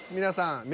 皆さん